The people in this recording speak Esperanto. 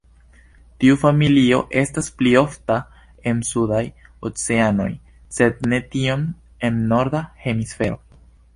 Tiu familio estas pli ofta en sudaj oceanoj sed ne tiom en Norda hemisfero.